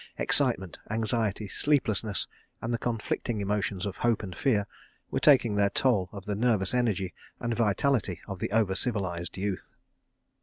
Excitement, anxiety, sleeplessness and the conflicting emotions of hope and fear, were taking their toll of the nervous energy and vitality of the over civilised youth.